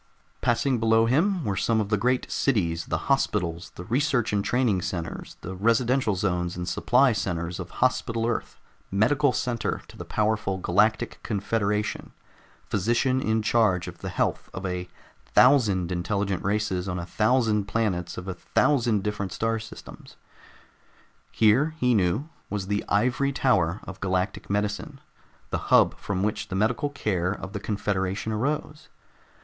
Passing below him were some of the great cities, the hospitals, the research and training centers, the residential zones and supply centers of Hospital Earth, medical center to the powerful Galactic Confederation, physician in charge of the health of a thousand intelligent races on a thousand planets of a thousand distant star systems. Here, he knew, was the ivory tower of galactic medicine, the hub from which the medical care of the confederation arose.